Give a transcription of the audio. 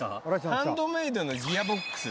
ハンドメードのギアボックス。